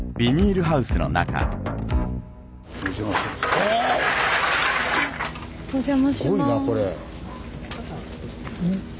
お邪魔します。